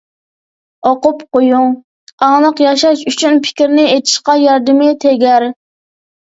ئوقۇپ قويۇڭ، ئاڭلىق ياشاش ئۈچۈن پىكىرنى ئېچىشقا ياردىمى تېگەر.